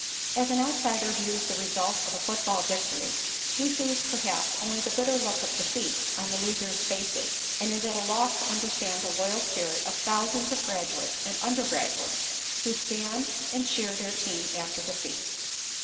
As an outsider views the result of a football victory, he sees perhaps only the bitter look of defeat on the losers' faces, and is at a loss to understand the loyal spirit of thousands of graduates and undergraduates who stand and cheer their team after defeat.